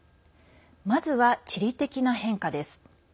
まずは、地理的な変化です。